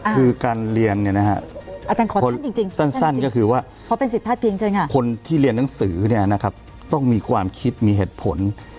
คือการเรียนสั้นก็คือว่าคนที่เรียนหนังสือต้องมีความคิดมีเหตุผล